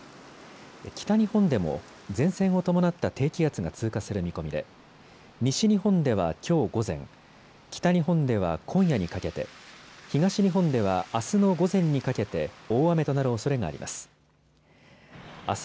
北日本でも前線を伴った低気圧が通過する見込みで西日本ではきょう午前、北日本では今夜にかけて、東日本ではあすの午前にかけて大雨となるおそれがあります。